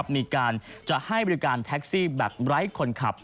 มีการจะให้บริการแท็กซี่แบบไร้คนขับ